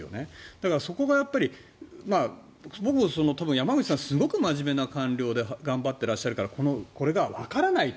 だから、そこが僕は多分山口さんはすごく真面目な官僚で頑張っていらっしゃるからこれがわからないと。